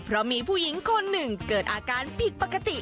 เพราะมีผู้หญิงคนหนึ่งเกิดอาการผิดปกติ